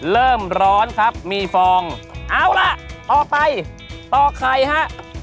เริ่มร้อนครับมีฟองเอาล่ะต่อไปต่อไข่ฮะ